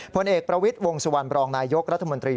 ผลเอกประวิทย์วงสุวรรณบรองนายยกรัฐมนตรี